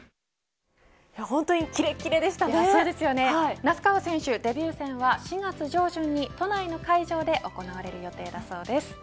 那須川選手、デビュー戦は４月上旬に都内の会場で行われる予定だそうです。